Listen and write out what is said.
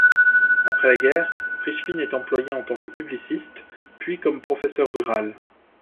Après la guerre, Prichvine est employé en tant que publiciste, puis comme professeur rural.